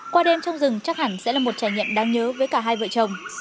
qua đêm trong rừng chắc hẳn sẽ là một trải nghiệm đáng nhớ với cả hai vợ chồng